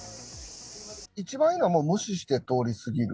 一番いいのは無視して通り過ぎる。